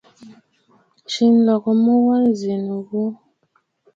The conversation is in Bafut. Ghɛ̀ɛ nlɔgə mu wa nzì nɨ ghu.